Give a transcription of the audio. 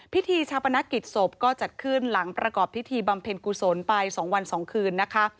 พิธีชาปนกิจศพก็จัดขึ้นหลังประกอบพิธีบำเพ็ญกุศลไป๒วัน๒คืนนะคะ